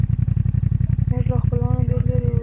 موږ له خپلوانو ډېر لیرې اوسیږو